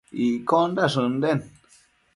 Iccondash ënden